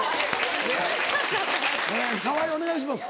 河井お願いします。